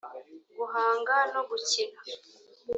guhanga no gukina